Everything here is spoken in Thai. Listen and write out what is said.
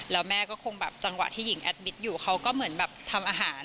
แล้วแม่ก็คงแบบจังหวะที่หญิงแอดมิตอยู่เขาก็เหมือนแบบทำอาหาร